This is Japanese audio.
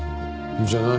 じゃあ何？